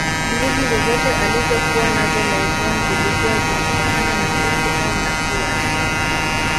Nguvu zozote alizokuwa nazo laibon zilikuwa zimetokana na utu au nafsi yake